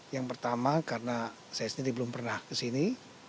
yang pertama karena saya sendiri belum pernah kesini